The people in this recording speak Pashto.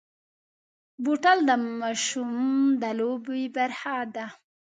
بوتل د ماشوم د لوبو برخه ده.